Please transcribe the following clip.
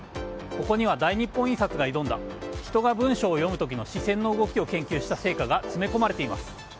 ここには大日本印刷が挑んだ人が文章を読む時の視線の動きを研究した成果が詰め込まれています。